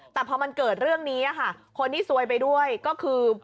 แต่พอมันเกิดเรื่องนี้ค่ะคนที่ซวยไปด้วยก็คือ